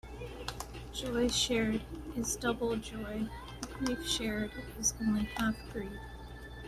Joy shared is double joy; grief shared is only half grief.